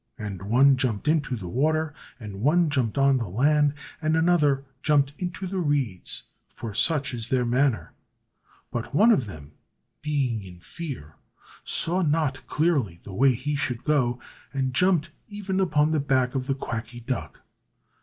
And one jumped into the water, and one jumped on the land, and another jumped into the reeds; for such is their manner. But one of them, being in fear, saw not clearly the way he should go, and jumped even upon the back of the Quacky Duck.